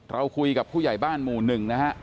เราคุยกับผู้ใหญ่บ้านหมู่หนึ่งนะฮะ